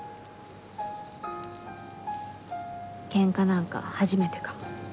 喧嘩なんか初めてかも。